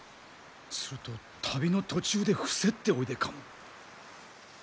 すると旅の途中で伏せっておいでかも。